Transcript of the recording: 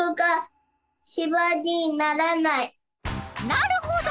なるほど！